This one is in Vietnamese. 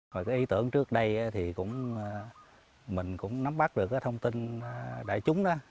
rồi cái ý tưởng trước đây thì mình cũng nắm bắt được cái thông tin đại chúng đó